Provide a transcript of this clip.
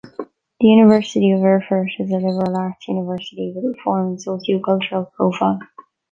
The University of Erfurt is a liberal arts university with reform and socio-cultural profile.